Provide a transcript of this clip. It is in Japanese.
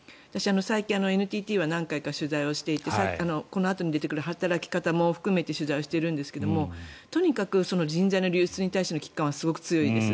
最近、私ＮＴＴを何回か取材していてこのあとに出てくる働き方も含めて取材しているんですがとにかく人材の流出に関しての危機感はすごく強いです。